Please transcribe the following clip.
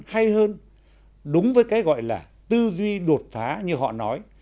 hay hơn đúng với cái gọi là tư duy đột phá như họ nói